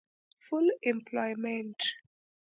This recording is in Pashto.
Full Employment